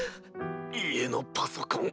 家のパソコン